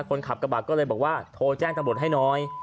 คนขับกระบะก็เลยบอกว่าโทรแจ้งตำรวจให้น้อย